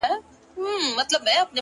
o چي مي بایللی و ـ وه هغه کس ته ودرېدم ـ